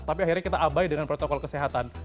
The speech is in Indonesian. tapi akhirnya kita abai dengan protokol kesehatan